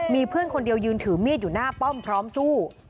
มีเพื่อนคนเดียวยืนถือมีดอยู่หน้าป้อมพร้อมสู้